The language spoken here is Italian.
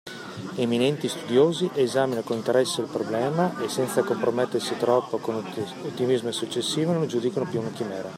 Eminenti studiosi esaminano con interesse il problema, e, senza compromettersi troppo con un ottimismo eccessivo, non lo giudicano più una chimera.